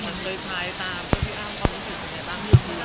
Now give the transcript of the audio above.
ติดต่ายตามพี่อ้ามความรู้สึกอยู่ในบ้านหรือไม่ได้หรือเปล่า